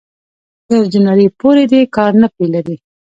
تر جنوري پورې دې کار نه پرې لري